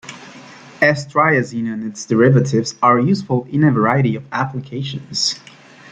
S-triazine and its derivatives are useful in a variety of applications.